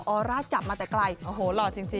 โอ้โหหลอดจริง